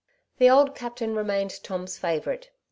The old captain remained Tom's favourite.